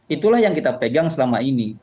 itulah yang kita pegang selama ini